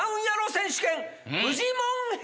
選手権フジモン編！